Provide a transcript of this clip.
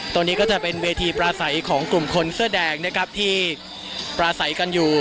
ตรงนี้ก็จะเป็นเวทีปราศัยของกลุ่มคนเสื้อแดงนะครับที่ปราศัยกันอยู่